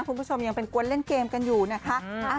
คุณผู้ชมยังเป็นกวนเล่นเกมกันอยู่นะคะ